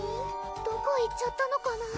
どこ行っちゃったのかな